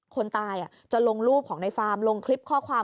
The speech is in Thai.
คนตายจะลงรูปของในฟาร์มลงคลิปข้อความ